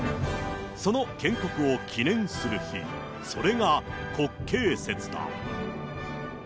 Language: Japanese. その建国を記念する日、それが国慶節だ。